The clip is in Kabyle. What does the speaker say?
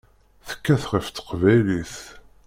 Tekkat ɣef teqbaylit.